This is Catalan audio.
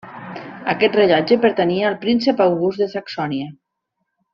Aquest rellotge pertanyia al Príncep August de Saxònia.